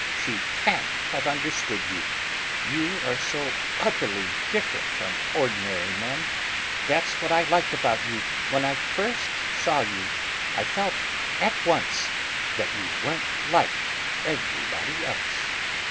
She can't have understood you: you are so utterly different from ordinary men. That's what I liked about you when I first saw you; I felt at once that you weren't like everybody else."